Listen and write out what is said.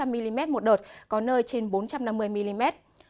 năm trăm linh mm một đợt có nơi trên bốn trăm năm mươi mm